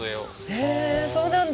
へえそうなんだ。